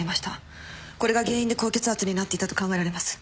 これが原因で高血圧になっていたと考えられます。